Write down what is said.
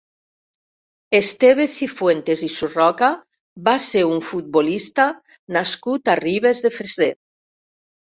Esteve Cifuentes i Surroca va ser un futbolista nascut a Ribes de Freser.